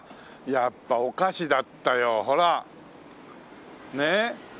やっぱお菓子だったよほら。ねえ？